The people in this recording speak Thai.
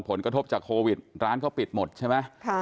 ผลกระทบจากโควิดร้านเขาปิดหมดใช่ไหม